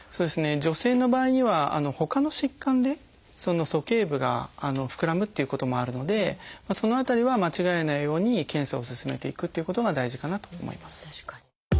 女性の場合にはほかの疾患で鼠径部がふくらむっていうこともあるのでその辺りは間違えないように検査を進めていくっていうことが大事かなと思います。